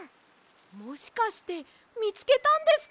もしかしてみつけたんですか？